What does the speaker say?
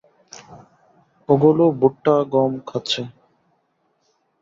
ওগুলো ভুট্টা, গম খাচ্ছে।